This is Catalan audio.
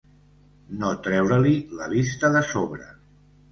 No treure-li la vista de sobre.